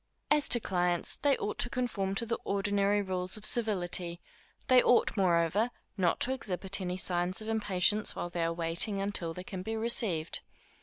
As to clients, they ought to conform to the ordinary rules of civility; they ought, moreover, not to exhibit any signs of impatience while they are waiting until they can be received.